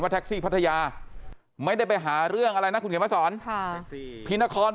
แท็กซี่พัทยาไม่ได้ไปหาเรื่องอะไรนะคุณเขียนมาสอนค่ะพี่นคร